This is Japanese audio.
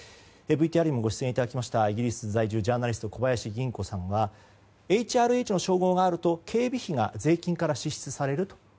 ＶＴＲにもご出演いただきましたイギリス在住のジャーナリスト小林恭子さんはＨＲＨの称号があると警備費が税金から支出されると。